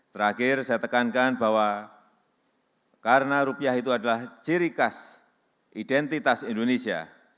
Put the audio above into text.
terakhir saya tekankan bahwa karena rupiah itu adalah ciri khas identitas indonesia